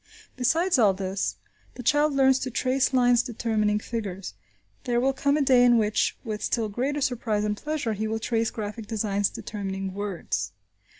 Besides all this, the child learns to trace lines determining figures. There will come a day in which, with still greater surprise and pleasure, he will trace graphic signs determining words.